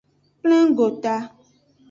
Plengota.